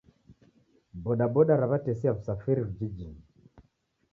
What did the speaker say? Bodaboda raw'atesia w'usafiri vijijinyi